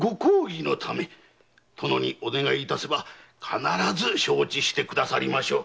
殿にお願いいたせば必ず承知してくださりましょう。